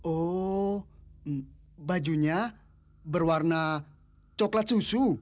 oh bajunya berwarna coklat susu